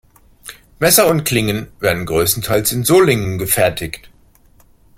Messer und Klingen werden größtenteils in Solingen gefertigt.